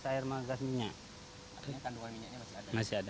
artinya kandungan minyaknya masih ada